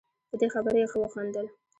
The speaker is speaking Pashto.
په دې خبره یې ښه وخندل.